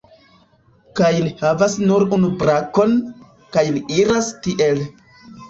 Kaj li havas nur unu brakon, kaj li iras tiel